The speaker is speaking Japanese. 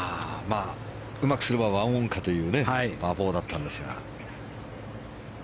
うまくすれば１オンかというパー４だったんですが。